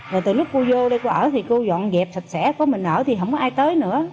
rồi từ lúc cô vô đây cô ở thì cô dọn dẹp sạch sẽ của mình ở thì không có ai tới nữa